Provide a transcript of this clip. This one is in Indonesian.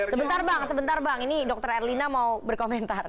sebentar pak sebentar pak ini dr erlina mau berkomentar